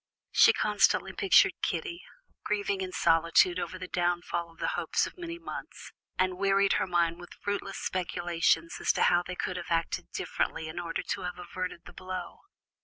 She constantly pictured Kitty, grieving in solitude over the downfall of the hopes of many months, and wearied her mind with fruitless speculations as to how they could have acted differently, in order to have averted the blow.